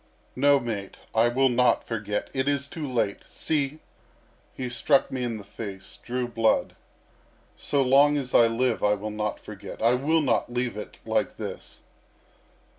"No, mate, I will not forget. It is too late. See! He struck me in the face, drew blood. So long as I live I will not forget. I will not leave it like this!"